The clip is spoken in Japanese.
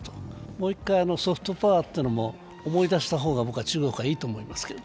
もう一回、ソフトパワーっていうのも思い出した方が中国はいいと思いますけど。